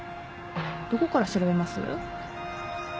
どこから調べます？